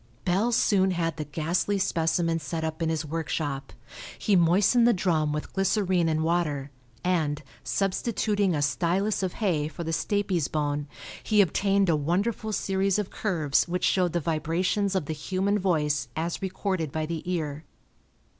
Bell soon had the ghastly specimen set up in his workshop. He moistened the drum with glycerine and water and, substituting a stylus of hay for the stapes bone, he obtained a wonderful series of curves which showed the vibrations of the human voice as recorded by the ear.